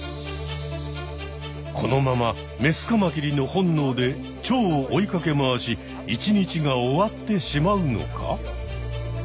このままメスカマキリの本能でチョウを追いかけ回し一日が終わってしまうのか。